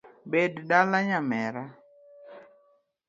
Bed dala nyamera